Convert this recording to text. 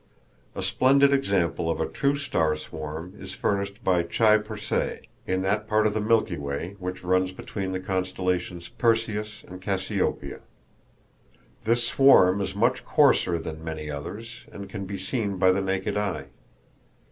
A splendid example of a true star swarm is furnished by Chi Persei, in that part of the Milky Way which runs between the constellations Perseus and Cassiopeia. This swarm is much coarser than many others, and can be seen by the naked eye.